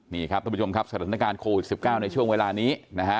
นี่ครับท่านผู้ชมครับสถานการณ์โควิด๑๙ในช่วงเวลานี้นะฮะ